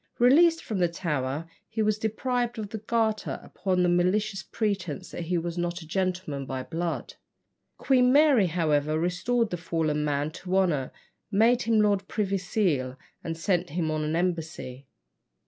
Released from the Tower, he was deprived of the garter upon the malicious pretence that he was not a gentleman by blood. Queen Mary, however, restored the fallen man to honour, made him Lord Privy Seal, and sent him on an embassy.